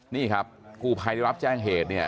นี่ครับคู่ภายได้รับแจ้งเหตุ